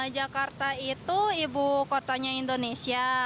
jakarta itu ibu kotanya indonesia